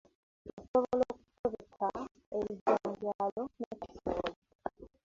Osobola okutobeka ebijanjaalo ne kasooli.